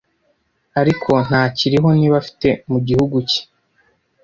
ariko ntakiriho niba afite mugihugu cye